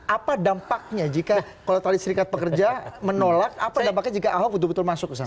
apa dampaknya jika kalau tadi serikat pekerja menolak apa dampaknya jika ahok betul betul masuk ke sana